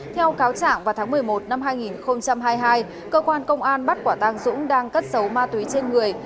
theo cáo trạng vào tháng một mươi một năm hai nghìn hai mươi hai cơ quan công an bắt quả tang dũng đang cất giấu ma túy trên người